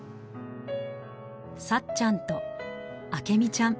さっちゃんと明美ちゃん。